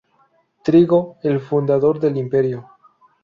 Trigo, el fundador del Imperio.